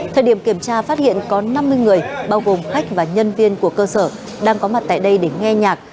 thời điểm kiểm tra phát hiện có năm mươi người bao gồm khách và nhân viên của cơ sở đang có mặt tại đây để nghe nhạc